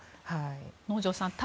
能條さん対